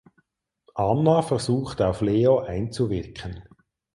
Anna versucht auf Leo einzuwirken.